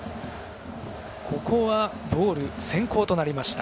ここはボール先行となりました。